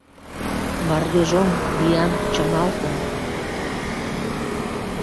Мардежоҥ, виян чымалтын